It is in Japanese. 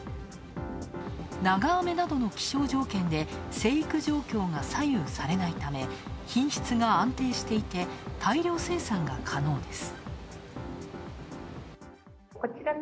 長雨などの気象条件で生育状況が左右されないため、品質が安定していて大量生産が可能です。